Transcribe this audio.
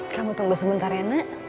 kamu tunggu sebentar ya nak